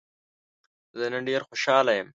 زه نن ډېر خوشحاله يم.